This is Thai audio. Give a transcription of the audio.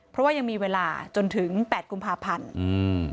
เพราะว่ายังมีเวลาจนถึง๘กุมภาพันธุ์